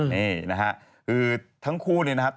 นี่นะครับคือทั้งคู่นี่นะครับ